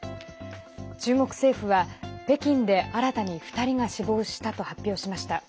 中国政府は、北京で新たに２人が死亡したと発表しました。